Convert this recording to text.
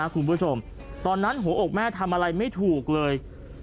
คุณผู้ชมตอนนั้นหัวอกแม่ทำอะไรไม่ถูกเลย